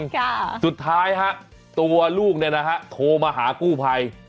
ค่ะสุดท้ายฮะตัวลูกเนี่ยนะฮะโทรมาหากู้ภัย